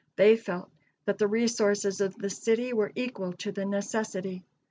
They felt that the resources of the city were equal to the necessity.